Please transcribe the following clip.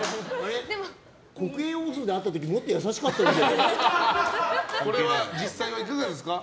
国営放送で会った時もっと優しかったじゃないですか。